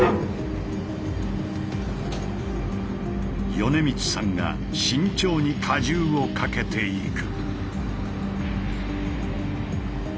米満さんが慎重に荷重をかけていく。